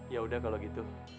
yaudah kalo gitu